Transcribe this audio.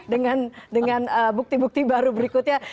dengan bukti bukti baru berikutnya